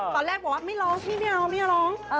ตอนแรกบอกว่าไม่ร้องพี่ไม่เอาไม่เอาร้อง